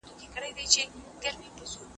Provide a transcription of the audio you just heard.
که زده کړه دوامداره شي، پرمختګ نه درېږي.